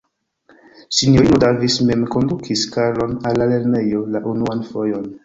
Sinjorino Davis mem kondukis Karlon al la lernejo la unuan fojon.